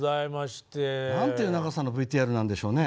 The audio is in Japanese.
何ていう長さのＶＴＲなんでしょうね。